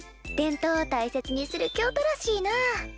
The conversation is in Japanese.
伝統を大切にする京都らしいなあ。